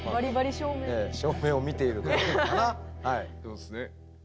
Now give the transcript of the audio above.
照明を見ているのかな？